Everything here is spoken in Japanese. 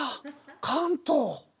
関東！